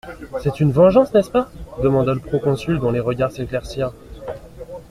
C'est une vengeance, n'est-ce pas ? demanda le proconsul dont les regards s'éclaircirent.